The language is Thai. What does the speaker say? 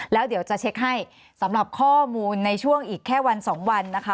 แล้วเดี๋ยวจะเช็คให้สำหรับข้อมูลในช่วงอีกแค่วันสองวันนะคะ